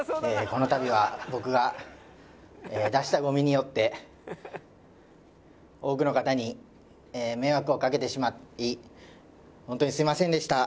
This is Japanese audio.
このたびは僕が出したゴミによって多くの方に迷惑をかけてしまい本当にすみませんでした。